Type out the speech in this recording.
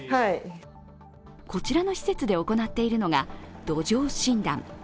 こちらの施設で行っているのが土壌診断。